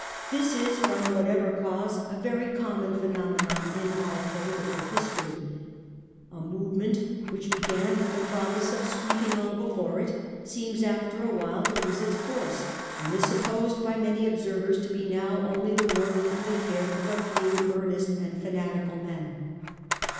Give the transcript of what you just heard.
This is, from whatever cause, a very common phenomenon in our political history. A movement which began with the promise of sweeping all before it seems after a while to lose its force, and is supposed by many observers to be now only the work and the care of a few earnest and fanatical men.